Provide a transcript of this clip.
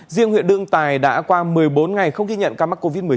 riêng huyện đương tài đã qua một mươi bốn ngày không ghi nhận ca mắc covid một mươi chín